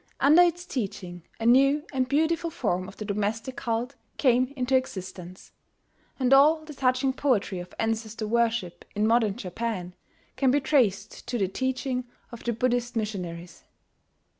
Under its teaching a new and beautiful form of the domestic cult came into existence; and all the touching poetry of ancestor worship in modern Japan can be traced to the teaching of the Buddhist missionaries.